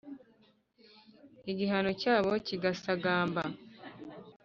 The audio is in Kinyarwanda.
Igihango cyabo kigasagamba.